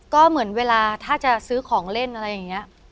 ก็เหมือนเวลาถ้าจะซื้อของเล่นอะไรอย่างนี้